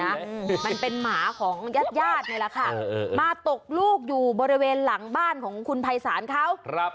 มันเป็นหมาของญาติญาตินี่แหละค่ะเออมาตกลูกอยู่บริเวณหลังบ้านของคุณภัยศาลเขาครับ